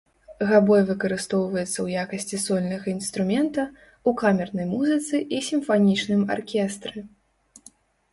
Габой выкарыстоўваецца ў якасці сольнага інструмента, у камернай музыцы і сімфанічным аркестры.